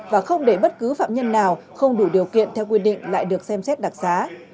và không để bất cứ phạm nhân nào không đủ điều kiện theo quy định lại được xem xét đặc xá